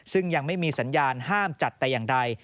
ซึ่งยังไม่มีสัญญาณห้ามจัดแต่อย่างใด